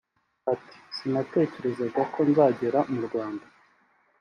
Ati “Sinatekerezaga ko nzagera mu Rwanda